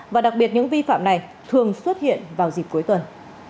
và đặc biệt những vi phạm này thường xuất hiện vào dịp cuối tuần